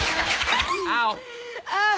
ああ。